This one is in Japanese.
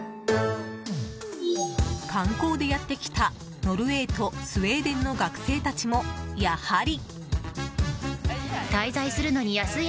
観光でやってきたノルウェーとスウェーデンの学生たちも、やはり。